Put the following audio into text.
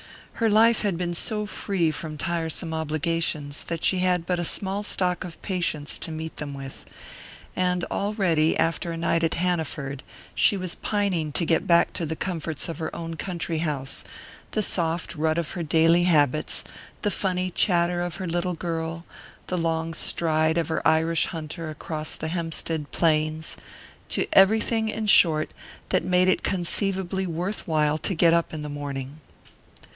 Her life had been so free from tiresome obligations that she had but a small stock of patience to meet them with; and already, after a night at Hanaford, she was pining to get back to the comforts of her own country house, the soft rut of her daily habits, the funny chatter of her little girl, the long stride of her Irish hunter across the Hempstead plains to everything, in short, that made it conceivably worth while to get up in the morning.